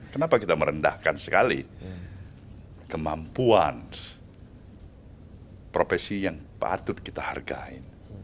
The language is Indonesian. kenapa kita merendahkan sekali kemampuan profesi yang patut kita hargai